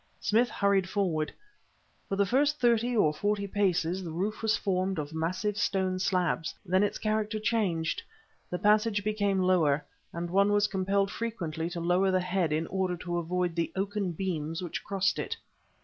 Smith hurried forward. For the first thirty of forty paces the roof was formed of massive stone slabs; then its character changed; the passage became lower, and one was compelled frequently to lower the head in order to avoid the oaken beams which crossed it.